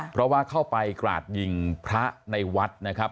เพราะว่าเข้าไปกราดยิงพระในวัดนะครับ